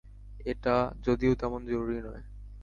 এটা যদিও তেমন জরুরি নয়।